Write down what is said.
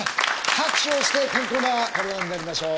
拍手をして健康な体になりましょう。